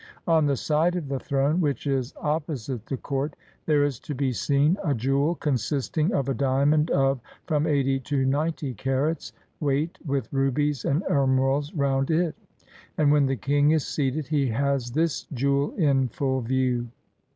On the side of the throne which is opposite the court there is to be seen a jewel consisting of a diamond of from eighty to ninety carats' weight, with rubies and emeralds round it; and when the king is seated, he has this jewel in full view.